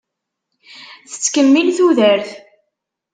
Tettkemmil tudert.